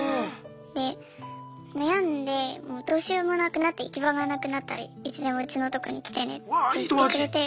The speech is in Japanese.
で「悩んでどうしようもなくなって行き場がなくなったらいつでもうちのとこに来てね」って言ってくれて。